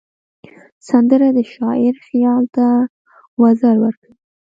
سندره د شاعر خیال ته وزر ورکوي